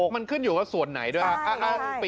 มันขึ้นอยู่ว่าส่วนไหนด้วยครับ